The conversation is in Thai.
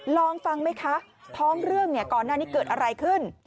ลองฟังไหมคะท้องเรื่องก่อนหน้านี้เกิดอะไรขึ้น